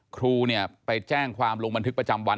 ครูเนี่ยไปแจ้งความลงบันทึกประจำวัน